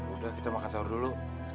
udah kita makan sahur dulu